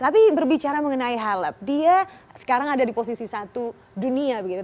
tapi berbicara mengenai helm dia sekarang ada di posisi satu dunia begitu